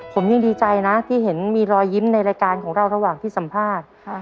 ผมยังดีใจนะที่เห็นมีรอยยิ้มในรายการของเราระหว่างที่สัมภาษณ์